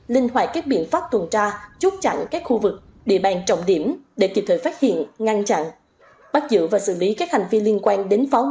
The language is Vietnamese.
linh hoại các biện pháp tuần tra chút chặn các khu vực địa bàn trọng điểm để kịp thời phát hiện ngăn chặn bắt giữ và xử lý các hành vi liên quan đến pháo đổ và các mặt hàng cấm